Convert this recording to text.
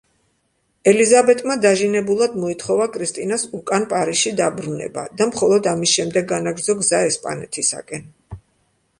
ელიზაბეტმა დაჟინებულად მოითხოვა კრისტინას უკან, პარიზში დაბრუნება და მხოლოდ ამის შემდეგ განაგრძო გზა ესპანეთისაკენ.